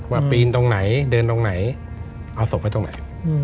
ปีนตรงไหนเดินตรงไหนเอาศพไปตรงไหน